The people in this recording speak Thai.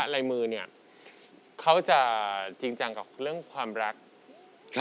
ลายมือเนี่ยเขาจะจริงจังกับเรื่องความรัก